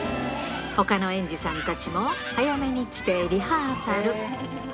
ほかの園児さんたちも早めに来てリハーサル。